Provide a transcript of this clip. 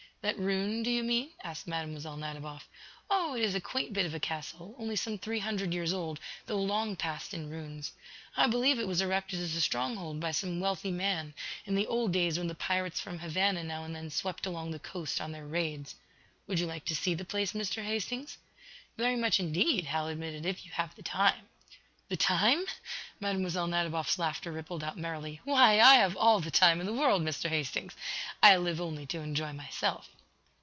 "That ruin, do you mean?" asked Mlle. Nadiboff. "Oh, it is a quaint bit of a castle, only some three hundred years old, though long past in ruins. I believe it was erected as a stronghold by some wealthy man, in the old days when the pirates from Havana now and then swept along the coast on their raids. Would you like to see the place, Mr. Hastings?" "Very much indeed," Hal admitted, "if you have the time." "The time?" Mlle. Nadiboff's laughter rippled out merrily. "Why, I have all the time in the world, Mr. Hastings. I live only to enjoy myself."